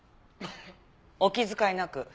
お気遣いなく。